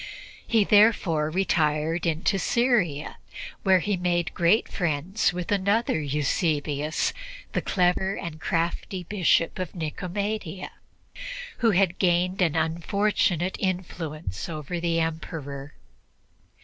He therefore retired into Syria, where he made great friends with another Eusebius, the clever and crafty Bishop of Nicomedia, who had gained an unfortunate influence over the Emperor.